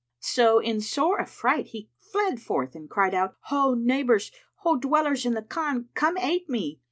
So in sore affright he fled forth and cried out, "Ho neighbours! ho dwellers in the Khan, come aid me!"